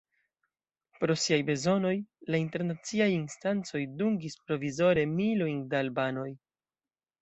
Pro siaj bezonoj, la internaciaj instancoj dungis provizore milojn da albanoj.